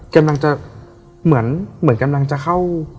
กำลังจะเหมือนกำลังจะเข้า